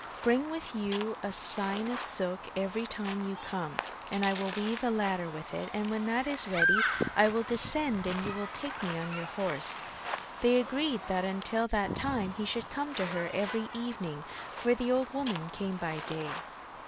Bring with you a skein of silk every time that you come, and I will weave a ladder with it, and when that is ready I will descend, and you will take me on your horse.' They agreed that until that time he should come to her every evening, for the old woman came by day.